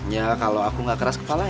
ya kalau aku gak keras kepala